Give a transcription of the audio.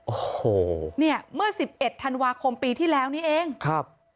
โอ้โหเนี่ยเมื่อสิบเอ็ดธันวาคมปีที่แล้วนี้เองครับ